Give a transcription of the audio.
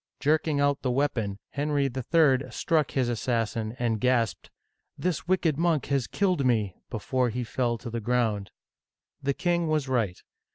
Jerking out the weapon, Henry III. struck his assassin, and gasped, This wicked monk has killed me !'* before he fell to the ground. The king was right.